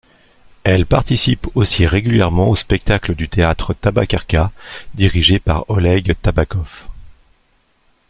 Elle participe aussi régulièrement aux spectacles du théâtre Tabakerka dirigé par Oleg Tabakov.